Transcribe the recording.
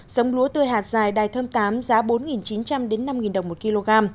giống lúa tươi hạt dài đài thơm tám giá bốn chín trăm linh năm đồng một kg